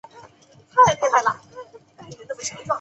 东非蜂的授粉效果也比欧洲蜂差。